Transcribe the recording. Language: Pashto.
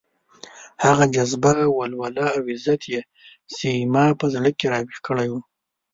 هغه جذبه، ولوله او عزت يې چې زما په زړه کې راويښ کړی وو.